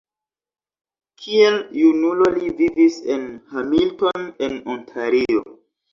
Kiel junulo li vivis en Hamilton en Ontario.